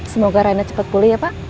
semoga rena cepet pulih ya pak